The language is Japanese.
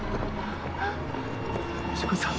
藤子さん。